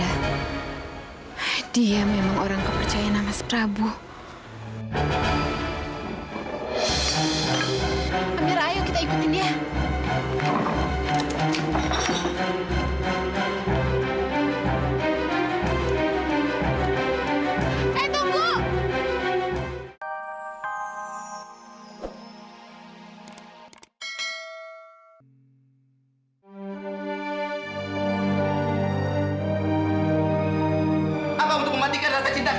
apa untuk mematikan rasa cinta kamu ke isan itu saya harus memutuskan